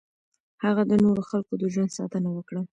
هغه د نورو خلکو د ژوند ساتنه وکړه.